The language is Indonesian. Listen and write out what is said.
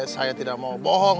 saya tidak mau bohong